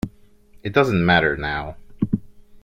It doesn't matter now.